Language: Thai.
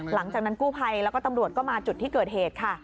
หลังจากนั้นกู้ภัยแล้วก็ตำรวจก็มาจุดที่เกิดเหตุค่ะ